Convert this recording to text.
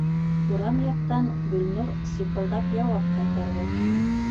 Урам яҡтан Гөлнур сипылдап яуап ҡайтарҙы: